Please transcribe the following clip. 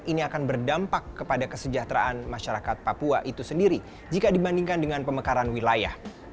ini akan berdampak kepada kesejahteraan masyarakat papua itu sendiri jika dibandingkan dengan pemekaran wilayah